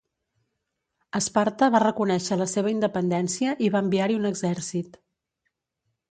Esparta va reconèixer la seva independència i va enviar-hi un exèrcit.